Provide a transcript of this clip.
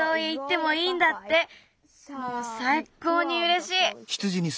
もうさいこうにうれしい！